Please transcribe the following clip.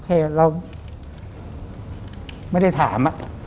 โอเคเราไม่ได้ถาม